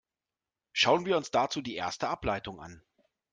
Schauen wir uns dazu die erste Ableitung an.